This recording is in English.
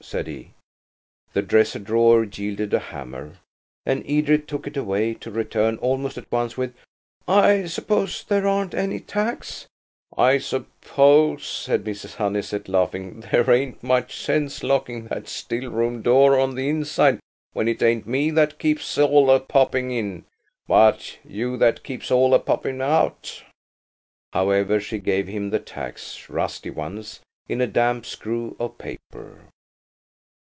said he. The dresser drawer yielded a hammer, and Edred took it away, to return almost at once with– "I suppose there aren't any tacks–?" "I suppose," said Mrs. Honeysett, laughing, "there ain't much sense locking that still room door on the inside when it ain't me that keeps all a popping in, but you that keeps all a popping out." However, she gave him the tacks–rusty ones, in a damp screw of paper.